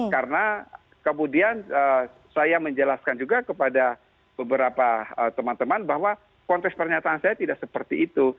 karena kemudian saya menjelaskan juga kepada beberapa teman teman bahwa konteks pernyataan saya tidak seperti itu